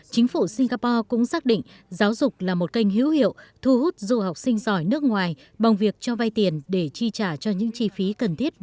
chính phủ singapore cũng xác định giáo dục là một kênh hữu hiệu thu hút du học sinh giỏi nước ngoài bằng việc cho vay tiền để chi trả cho những chi phí